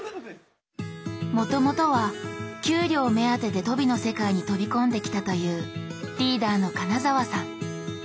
もともとは給料目当てでとびの世界に飛び込んできたというリーダーの金澤さん。